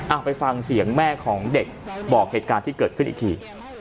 ไปฟังเสียงแม่ของเด็กบอกเหตุการณ์ที่เกิดขึ้นอีกที